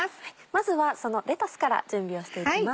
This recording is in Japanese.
まずはそのレタスから準備をしていきます。